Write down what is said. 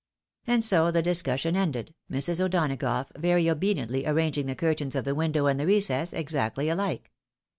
And so the discussion ended, Mrs. O'Donagough very obediently ar ranging the curtains of the window and the recess exactly alike.